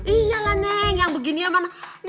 iya lah neng yang begini sama mama